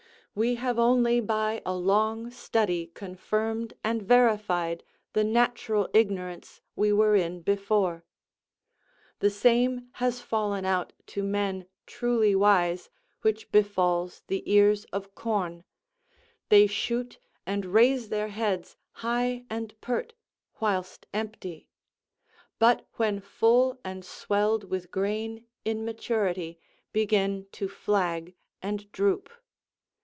We have only by a long study confirmed and verified the natural ignorance we were in before. The same has fallen out to men truly wise, which befalls the ears of corn; they shoot and raise their heads high and pert, whilst empty; but when full and swelled with grain in maturity, begin to flag and droop.